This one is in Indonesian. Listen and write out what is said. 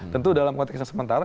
tentu dalam konteks sementara